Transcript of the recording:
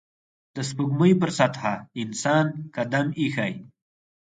د سپوږمۍ پر سطحه انسان قدم ایښی